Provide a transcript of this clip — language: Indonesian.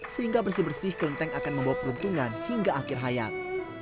sehingga bersih bersih kelenteng akan membawa peruntungan hingga akhir hayat